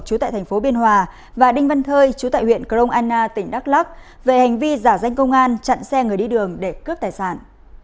chú tại thành phố biên hòa và đinh văn thơi chú tại huyện crong anna tỉnh đắk lắc về hành vi giả danh công an chặn xe người đi đường để cướp tài sản